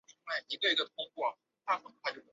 音乐录影带在伊豆半岛下田市的私人海滩拍摄。